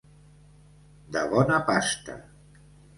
De bona pasta.